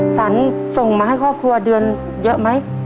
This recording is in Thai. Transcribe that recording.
สรรส่งมาให้ครอบครัวเดือนเยอะไหม